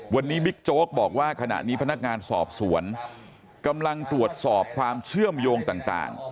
วันนี้บิ๊กโจ๊กบอกว่าขณะนี้พนักงานสอบสวนกำลังตรวจสอบความเชื่อมโยงต่าง